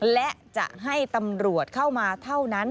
และจะให้ตำรวจเข้ามาเท่านั้น